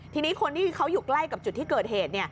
ทีนี้คนที่เขาอยู่ใกล้กับจุดที่เกิดเหตุ